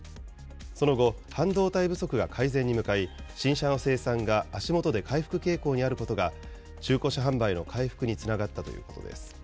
その後、半導体不足が改善に向かい、新車の生産が足元で回復傾向にあることが、中古車販売の回復につ